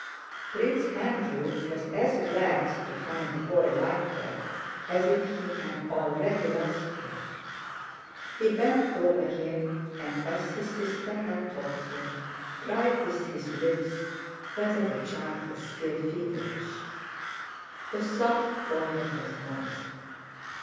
Prince Andrew was as glad to find the boy like that, as if he had already lost him. He bent over him and, as his sister had taught him, tried with his lips whether the child was still feverish. The soft forehead was moist.